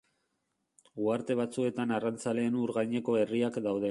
Uharte batzuetan arrantzaleen ur gaineko herriak daude.